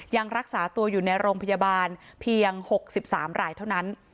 ยังรักษาตัวอยู่ในโรงพยาบาลเพียง๖๓รายเท่านั้น